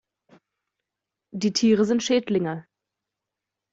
Die Tiere sind Schädlinge.